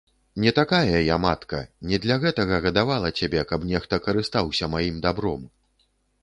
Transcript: Не такая я матка, не для гэтага гадавала цябе, каб нехта карыстаўся маім дабром.